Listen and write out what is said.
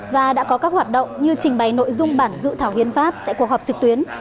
và đã có các hoạt động như trình bày nội dung bản dự thảo hiến pháp tại cuộc họp trực tuyến